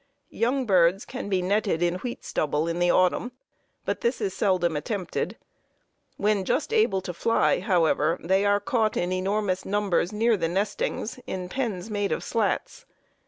Young birds can be netted in wheat stubble in the autumn, but this is seldom attempted. When just able to fly, however, they are caught in enormous numbers near the "nestings" in pens made of slats.